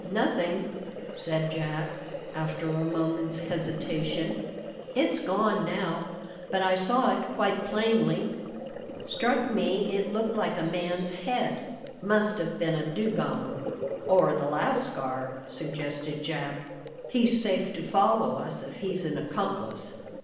"Nothing," said Jack, after a moment's hesitation. "It's gone now, but I saw it quite plainly. Struck me it looked like a man's head. Must have been a dugong." "Or the lascar," suggested Jack. "He's safe to follow us if he's an accomplice."